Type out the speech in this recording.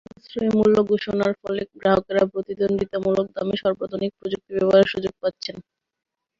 সাশ্রয়ী মূল্য ঘোষণার ফলে গ্রাহকেরা প্রতিদ্বন্দ্বিতামূলক দামে সর্বাধুনিক প্রযুক্তি ব্যবহারের সুযোগ পাচ্ছেন।